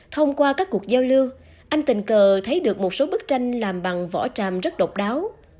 thông qua các cuộc giao lưu anh tình cờ thấy được một số bức tranh làm bằng vỏ tràm rất độc đáo